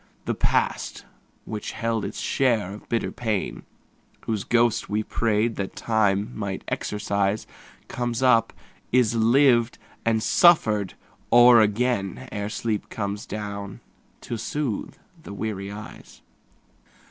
The past which held its share of bitter pain, Whose ghost we prayed that Time might exorcise, Comes up, is lived and suffered o'er again, Ere sleep comes down to soothe the weary eyes.